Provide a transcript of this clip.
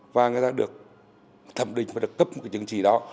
và người ta được thẩm định và được cấp một cái chứng chỉ đó